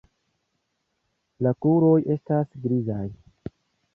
La kruroj estas grizaj.